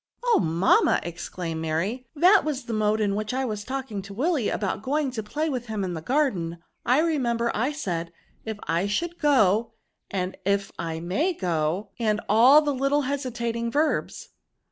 "Oh, mamma !" exclaimed Mary, " that was the mode in which I was talking to Willy, about going to play with him in the garden. I remember I said, if I should go, and if I may go, and all the little hesitating verbs."